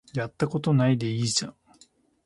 やったことないでいいじゃん